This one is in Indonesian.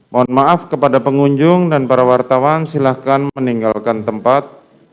mohon maaf kepada pengunjung dan para wartawan silahkan meninggalkan tempat